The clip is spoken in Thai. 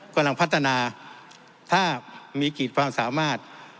กำลังพัฒนาถ้ามีขีดความสามารถ